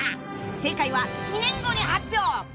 ［正解は２年後に発表！］